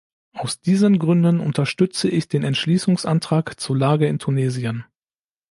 Aus diesen Gründen unterstütze ich den Entschließungsantrag zur Lage in Tunesien.